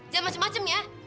jangan macem macem ya